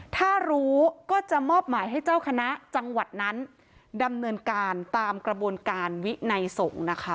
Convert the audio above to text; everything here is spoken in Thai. ถ้ารู้ก็จะมอบหมายให้เจ้าคณะจังหวัดนั้นดำเนินการตามกระบวนการวินัยสงฆ์นะคะ